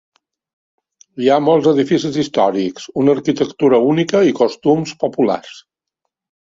Hi ha molts edificis històrics, una arquitectura única i costums populars.